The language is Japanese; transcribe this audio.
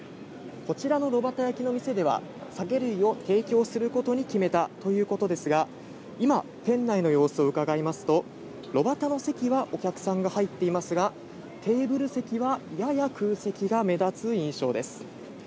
こちらの炉端焼きの店では、酒類を提供することに決めたということですが、今、店内の様子をうかがいますと、炉端の席はお客さんが入っていますが、テーブル席はやや空席が目立つ印象です。